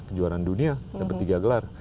kejuaraan dunia dapat tiga gelar